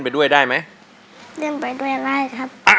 เพลงนี้ที่๕หมื่นบาทแล้วน้องแคน